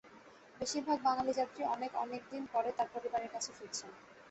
বেশিরভাগ বাঙালি যাত্রী অনেক অনেক দিন পরে তাঁর পরিবারের কাছে ফিরছেন।